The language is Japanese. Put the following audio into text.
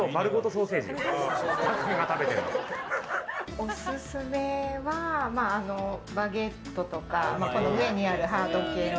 オススメはバゲットとかこの上にあるハード系の。